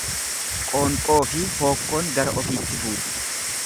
Qoonqoofi hookkoon gara ofiitti fuuti.